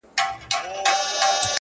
شاعرانو پکښي ولوستل شعرونه.!